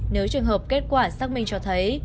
nếu trường hợp kết quả xác minh cho thấy